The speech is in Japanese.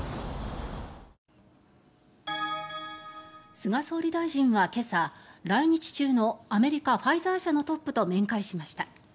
菅総理大臣は今朝来日中のアメリカ・ファイザー社のトップと面会しました。